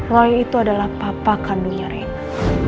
roy itu adalah papa kandungnya rena